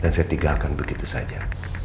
dan saya tinggalkan begitu saja